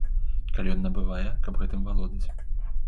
Калі ён набывае, каб гэтым валодаць.